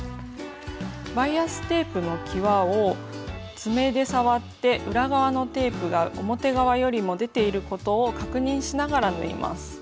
バイアステープのきわを爪で触って裏側のテープが表側よりも出ていることを確認しながら縫います。